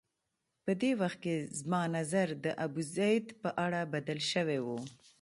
په دې وخت کې زما نظر د ابوزید په اړه بدل شوی و.